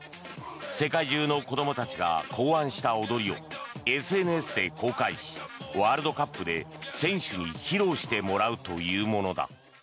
世界中の子どもたちが考案した踊りをＳＮＳで公開しワールドカップで選手に披露してもらうというものだ。